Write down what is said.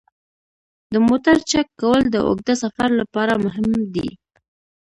د موټر چک کول د اوږده سفر لپاره مهم دي.